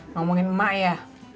ngomongin emak ya